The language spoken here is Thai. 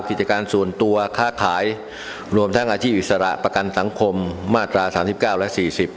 กิจการส่วนตัวค้าขายรวมทั้งอาชีพอิสระประกันสังคมมาตราสามสิบเก้าและสี่สิบ